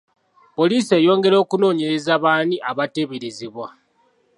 Poliisi eyongera okunonyereza b'ani abateeberezebwa.